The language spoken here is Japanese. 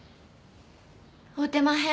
会うてまへん。